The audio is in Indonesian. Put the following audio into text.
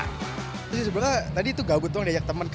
dan juga berpikir bahwa mereka akan menemukan suatu kulturnya yang berbeda